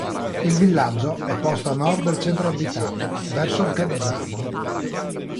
Il villaggio è posto a nord del centro abitato, verso Gaggiano.